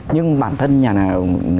nhưng bản thân nhà này